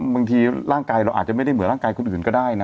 บางทีร่างกายเราอาจจะไม่ได้เหมือนร่างกายคนอื่นก็ได้นะ